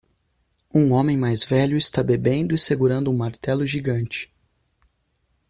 Um homem mais velho está bebendo e segurando um martelo gigante.